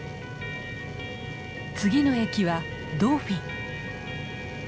次の駅はドーフィン。